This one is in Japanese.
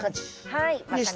はい。